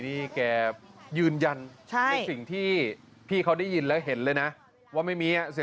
นี่นี่นี่นี่นี่นี่นี่นี่นี่นี่นี่นี่นี่นี่นี่